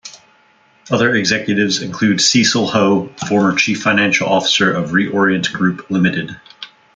Other executives include Cecil Ho, former Chief Financial Officer of ReOrient Group Limited.